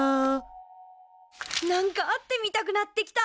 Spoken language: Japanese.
なんか会ってみたくなってきた。